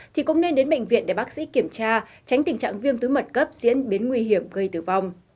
thì cũng nên đến bệnh viện để bác sĩ kiểm tra tránh tình trạng viêm túi mật cấp diễn biến nguy hiểm gây tử vong